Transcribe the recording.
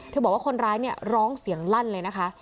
เธอบอกว่าคนร้ายร้องเสียงลั่นเลยนะคะ